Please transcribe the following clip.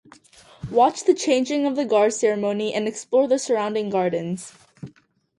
Watch the Changing of the Guard ceremony and explore the surrounding gardens.